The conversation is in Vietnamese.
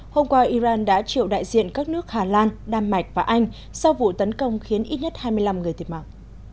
hôm qua iran đã triệu đại diện các nước hà lan đan mạch và anh sau vụ tấn công khiến ít nhất hai mươi năm người thiệt mạng